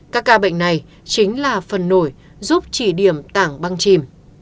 các ca bệnh này chính là phần nổi giúp chỉ điểm tảng băng chìm